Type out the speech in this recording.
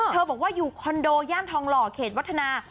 บอกว่าอยู่คอนโดย่านทองหล่อเขตวัฒนา